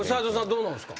どうなんすか？